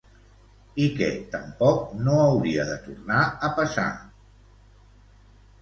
I que tampoc no hauria de tornar a passar….